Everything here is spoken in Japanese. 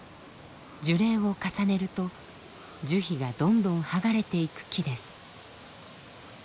樹齢を重ねると樹皮がどんどんはがれていく木です。